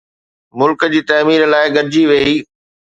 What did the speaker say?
ملڪ جي تعمير لاءِ گڏجي ويھي